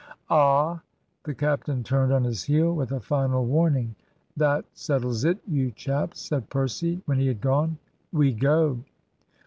"Ah!" The captain turned on his heel, with a final warning. "That settles it, you chaps," said Percy, when he had gone. "We go."